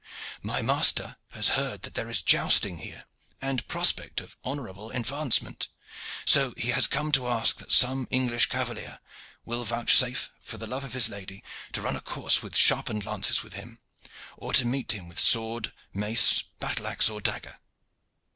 My master has heard that there is jousting here, and prospect of honorable advancement, so he has come to ask that some English cavalier will vouchsafe for the love of his lady to run a course with sharpened lances with him, or to meet him with sword, mace, battle axe, or dagger.